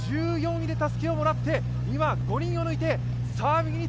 １４位でたすきをもらって、今、５人を抜いた。